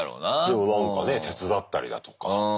でもなんかね手伝ったりだとか。